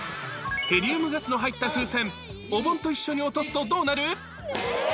ヘリウムガスの入った風船、おぼんと一緒に落とすとどうなる？